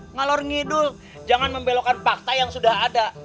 ngalor ngidul jangan membelokkan fakta yang sudah ada